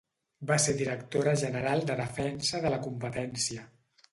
Va ser directora general de Defensa de la Competència.